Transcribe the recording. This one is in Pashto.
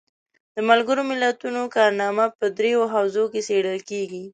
د ملګرو ملتونو کارنامه په دریو حوزو کې څیړل کیږي.